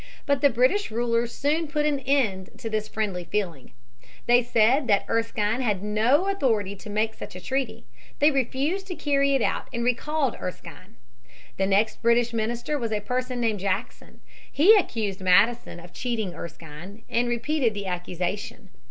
But the British rulers soon put an end to this friendly feeling. They said that Erskine had no authority to make such a treaty. They refused to carry it out and recalled Erskine. The next British minister was a person named Jackson. He accused Madison of cheating Erskine and repeated the accusation.